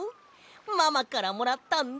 ママからもらったんだ！